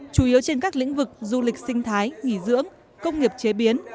chủ yếu trên các lĩnh vực du lịch sinh thái nghỉ dưỡng công nghiệp chế biến